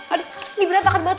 aduh ini berat banget